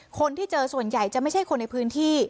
คนที่เจอส่วนใหญ่จะไม่ใช่คนในพื้นที่